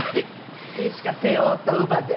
いつか帝王と乳母で。